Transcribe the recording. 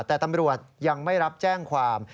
แต่ตำรวจยังไม่รับแจ้งความ